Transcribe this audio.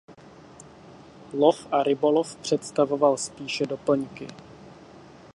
Lov a rybolov představovaly spíše doplňky.